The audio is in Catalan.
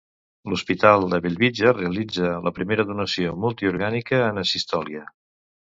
L'Hospital de Bellvitge realitza la primera donació multiorgànica en asistòlia.